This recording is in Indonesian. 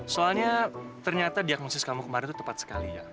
soalnya ternyata diagnosis kamu kemarin itu tepat sekali ya